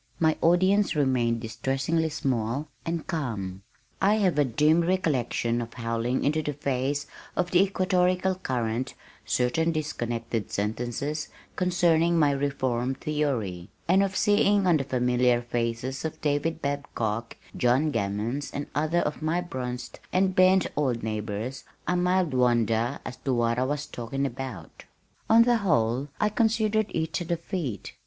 My audience remained distressingly small and calm. I have a dim recollection of howling into the face of the equatorical current certain disconnected sentences concerning my reform theory, and of seeing on the familiar faces of David Babcock, John Gammons and others of my bronzed and bent old neighbors a mild wonder as to what I was talking about. On the whole I considered it a defeat.